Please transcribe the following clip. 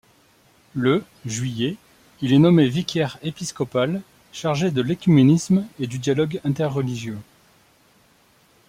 Le juillet, il est nommé vicaire épiscopal chargé de l'œcuménisme et du dialogue interreligieux.